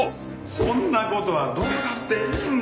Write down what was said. そんな事はどうだっていいんだよ！